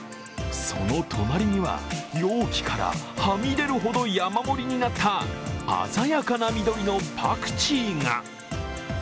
その隣には、容器からはみ出るほど山盛りになった鮮やかな緑のパクチーが。